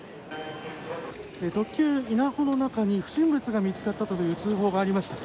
特急「いなほ」の中に不審物が見つかったという通報がありました。